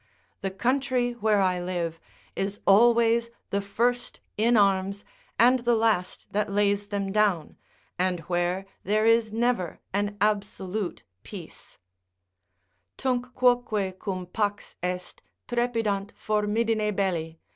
The country where I live is always the first in arms and the last that lays them down, and where there is never an absolute peace: "Tunc quoque, cum pax est, trepidant formidine belli....